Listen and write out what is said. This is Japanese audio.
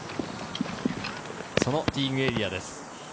そのティーイングエリアです。